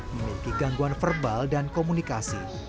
memiliki gangguan verbal dan komunikasi